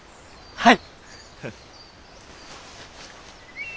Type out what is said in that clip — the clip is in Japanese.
はい！